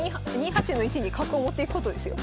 ２八の位置に角を持っていくことですよ。